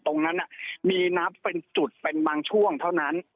ตรงนั้นมีนับเป็นจุดเป็นบางช่วงเท่านั้น